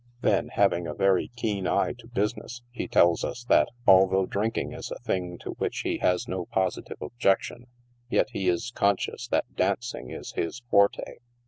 Then, having a very keen eye to busi ness, he tells us that although drinking is a thing to which he has no positive objection, yet he is conscious that dancing is his forte.